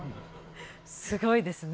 すごいですね